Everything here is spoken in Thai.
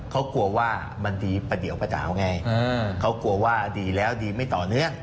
เขากลัวว่ามันดีประเดี๋ยวประดาวไงเขากลัวว่าดีแล้วดีไม่ต่อเนื่อง